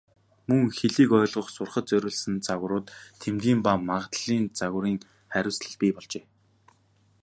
Мөн хэлийг ойлгох, сурахад зориулсан загварууд, тэмдгийн ба магадлалын загварын харьцуулал бий болжээ.